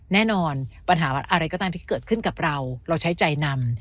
แน่นอนปัญหาอะไรก็ตามที่เกิดขึ้นกับเราเราใช้ใจนำ